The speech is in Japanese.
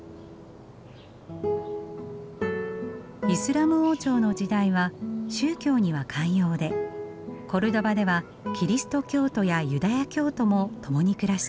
イスラム王朝の時代は宗教には寛容でコルドバではキリスト教徒やユダヤ教徒も共に暮らしていました。